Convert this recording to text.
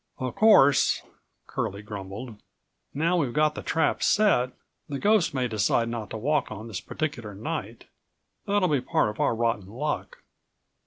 "Of course," Curlie grumbled, "now we've got the trap set, the ghost may decide not to walk on this particular night. That'll be part of our rotten luck."